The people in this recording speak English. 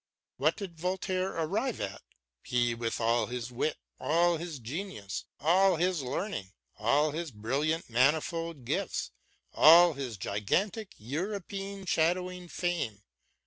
What did Voltaire arrive at, he with all his wit, all his genius, all his learning, all his brilliant manifold gifts, all his gigantic Europe shadowing fame